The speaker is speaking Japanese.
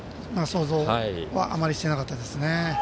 想像はあまりしてなかったですね。